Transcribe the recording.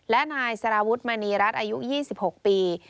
และนายสารวุฒิมณีรัฐอายุ๒๖ปี